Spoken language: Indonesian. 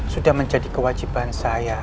sudah menjadi kewajiban saya